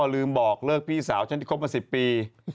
ลืมบอกเลิกพี่สาวฉันที่คบมา๑๐ปี